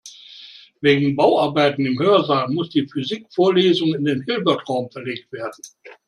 Wegen Bauarbeiten im Hörsaal muss die Physikvorlesung in den Hilbertraum verlegt werden.